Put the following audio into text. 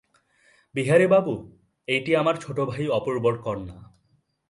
বিহারীবাবু, এইটি আমার ছোটো ভাই অপূর্বর কন্যা।